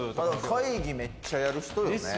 会議めっちゃやる人よね。